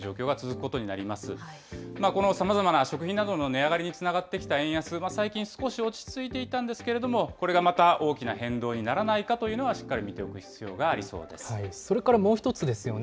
このさまざまな食品などの値上がりにつながってきた円安、最近少し落ち着いてきたんですけれども、これがまた大きな変動にならないかということは、しっかり見ておそれからもう一つですよね。